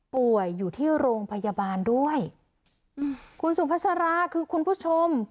ป่วยอยู่ที่โรงพยาบาลด้วยอืมคุณสุภาษาราคือคุณผู้ชม